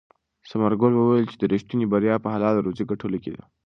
ثمرګل وویل چې ریښتینې بریا په حلاله روزي ګټلو کې ده.